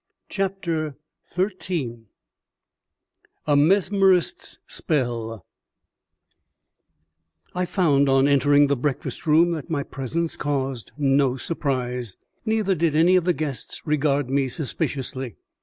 CHAPTER XIII A MESMERIST'S SPELL I found on entering the breakfast room that my presence caused no surprise, neither did any of the guests regard me suspiciously.